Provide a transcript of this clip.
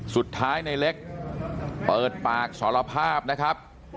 สุดท้ายในเล็กเปิดปากสารภาพนะครับ